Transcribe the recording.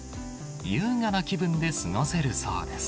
優雅な気分で過ごせるそうです。